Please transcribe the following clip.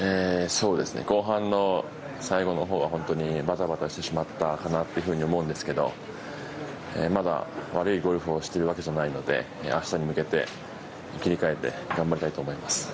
後半の最後のほうは本当にバタバタしてしまったかなと思うんですけれども悪いゴルフをしているわけではないので明日に向けて切り替えて頑張りたいと思います。